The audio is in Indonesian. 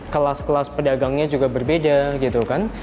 kelas kelas pedagangnya juga berbeda gitu kan